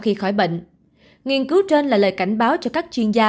khi khỏi bệnh nghiên cứu trên là lời cảnh báo cho các chuyên gia